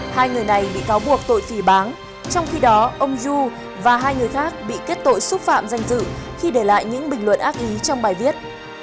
hai người này bị cáo buộc tội phì bán trong khi đó ông du và hai người khác bị kết tội xúc phạm danh dự khi để lại những bình luận ác ý trong bài viết